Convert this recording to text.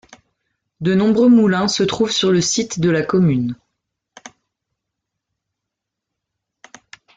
De nombreux moulins se trouvent sur le site de la commune.